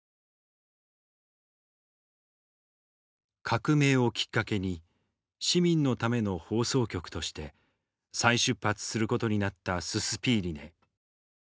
革命をきっかけに市民のための放送局として再出発することになったススピーリネ。